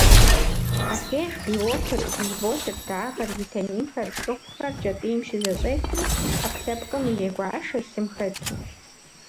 Абдеж белокыр, углеводыр, дагъэр, витаминхэр, шыгъухэр кӏэтӏийм щызэщӏефри, ӏэпкълъэпкъым ирегуашэ, лъым хэту.